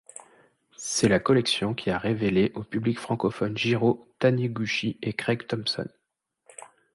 C'est la collection qui a révélé au public francophone Jirō Taniguchi et Craig Thompson.